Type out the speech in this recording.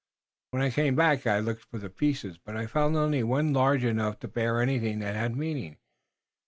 When I came back I looked for the pieces, but I found only one large enough to bear anything that had meaning."